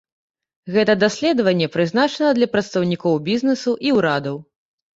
Гэта даследаванне прызначана для прадстаўнікоў бізнесу і ўрадаў.